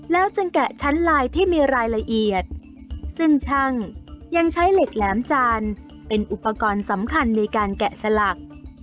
แล้วจึงแกะชั้นลายที่มีรายละเอียดซึ่งช่างยังใช้เหล็กแหลมจานเป็นอุปกรณ์สำคัญในการแกะสลัก